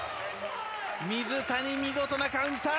水谷、見事なカウンター！